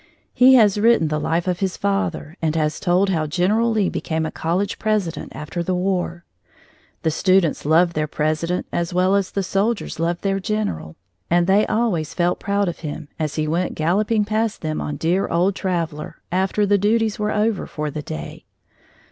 He has written the life of his father and has told how General Lee became a college president after the War. The students loved their president as well as the soldiers loved their general, and they always felt proud of him as he went galloping past them on dear old Traveller after the duties were over for the day.